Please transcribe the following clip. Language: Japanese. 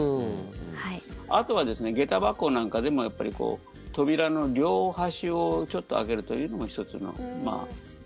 あとは下駄箱なんかでもやっぱり扉の両端をちょっと開けるというのが１つの。